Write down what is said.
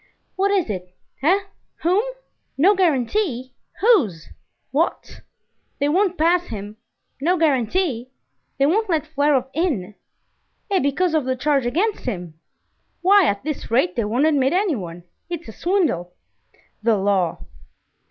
"What is it? eh? whom?" "No guarantee? whose? what?" "They won't pass him?" "No guarantee?" "They won't let Flerov in?" "Eh, because of the charge against him?" "Why, at this rate, they won't admit anyone. It's a swindle!" "The law!"